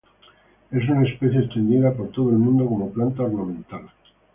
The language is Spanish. Es una especie extendida por todo el mundo como planta ornamental.